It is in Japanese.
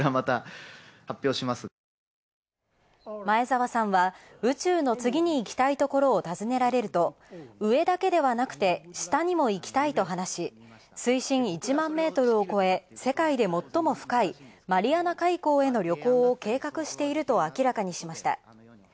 前澤さんは宇宙の次に行きたいところを尋ねられると「上だけではなくて下にも行きたい」と話し水深１万ｍを超え世界で最も深いマリアナ海溝への旅行を計画していると明らかにしました。